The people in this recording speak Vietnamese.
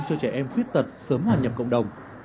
cho trẻ em khuyết tật sớm hoàn nhập cộng đồng